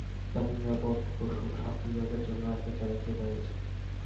তাঁদের নিরাপদ প্রসব স্বাস্থ্য বিভাগের জন্য একটি চ্যালেঞ্জ হয়ে দাঁড়িয়েছে।